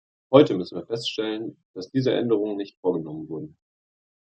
Heute müssen wir feststellen, dass diese Änderungen nicht vorgenommen wurden.